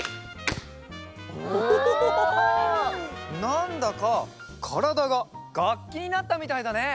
なんだかからだががっきになったみたいだね。